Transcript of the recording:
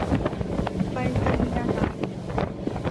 ไปรษณีย์อากาศ